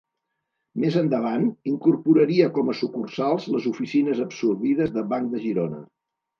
Més endavant, incorporaria com a sucursals les oficines absorbides de Banc de Girona.